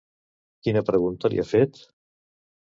Quina pregunta li ha fet?